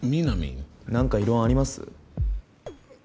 何か異論あります？